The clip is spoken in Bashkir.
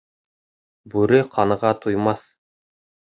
Бүре ҡанға туймаҫ.